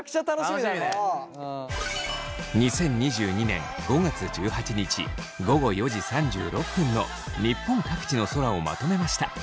２０２２年５月１８日午後４時３６分の日本各地の空をまとめました。